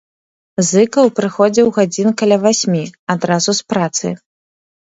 Зыкаў прыходзіў гадзін каля васьмі, адразу з працы.